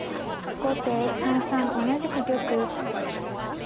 後手３三同じく玉。